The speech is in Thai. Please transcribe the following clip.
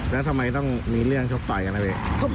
นะทำไมจะมีเรื่องช่องต่อยกันเลย